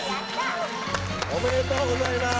おめでとうございます。